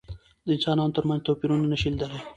د انسانانو تر منځ توپيرونه نشي لیدلای.